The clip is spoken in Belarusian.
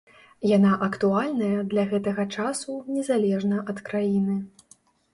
Яна актуальная для гэтага часу незалежна ад краіны.